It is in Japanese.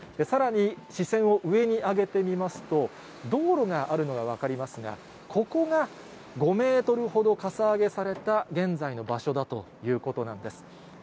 さらに視線を上に上げてみますと、道路があるのが分かりますが、ここが５メートルほどかさ上げされた現在の場所だということなんです。